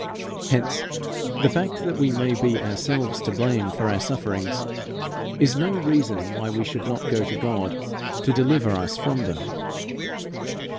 Hence, the fact that we may be ourselves to blame for our sufferings is no reason why we should not go to God to deliver us from them.